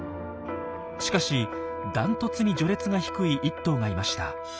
しかしダントツに序列が低い１頭がいました。